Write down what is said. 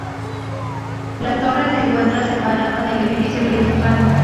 La torre se encuentra separada del edificio principal.